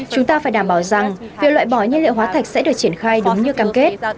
chúng ta phải đảm bảo rằng việc loại bỏ nhiên liệu hóa thạch sẽ được triển khai đúng như cam kết